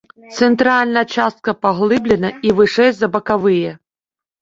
Цэнтральная частка паглыблена і вышэй за бакавыя.